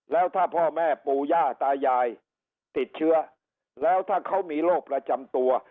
แล้วถ้าพ่อแม่ปู่ย่าตายายติดเชื้อแล้วถ้าเขามีโรคประจำตัว